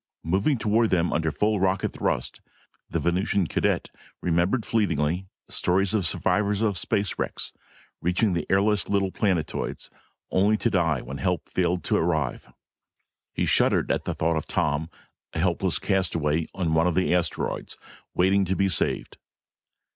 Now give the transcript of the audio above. Moving toward them under full rocket thrust, the Venusian cadet remembered fleetingly stories of survivors of space wrecks, reaching the airless little planetoids, only to die when help failed to arrive. He shuddered at the thought of Tom, a helpless castaway on one of the asteroids, waiting to be saved.